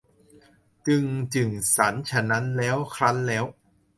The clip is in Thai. จึง จึ่ง สัน ฉะนั้นแล้ว ครั้นแล้ว